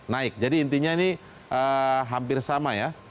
naik jadi intinya ini hampir sama ya